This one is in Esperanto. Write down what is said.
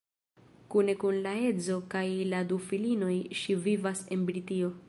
Kune kun la edzo kaj la du filinoj ŝi vivas en Britio.